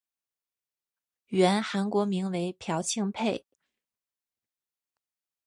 原韩国名为朴庆培。